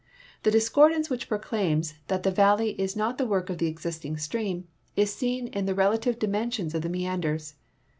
Tlie discordance which proclaims that the valley is not the work of the existing stream is seen in the rela tive dimensions of their meanders.